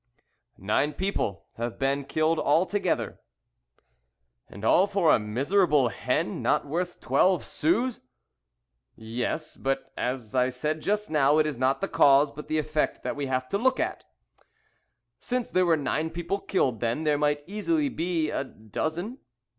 "Nine people have been killed altogether." "And all for a miserable hen not worth twelve sous?" "Yes, but as I said just now, it is not the cause, but the effect that we have to look at." "Since there were nine people killed, then, there might easily be a dozen."